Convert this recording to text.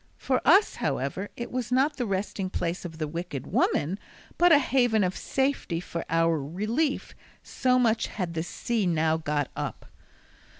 For us, however, it was not the resting place of the wicked woman but a haven of safety for our relief, so much had the sea now got up.